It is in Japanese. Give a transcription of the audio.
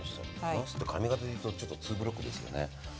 なすって髪形でいうとちょっとツーブロックですよね。